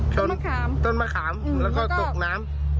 ต้นมะขามแล้วก็ตกน้ำ